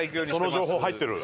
その情報入ってる？